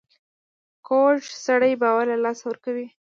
کوږ سړی باور له لاسه ورکوي